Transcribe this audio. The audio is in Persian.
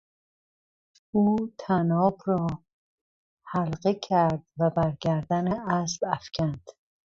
او طناب را حلقه کرد و بر گردن اسب افکند.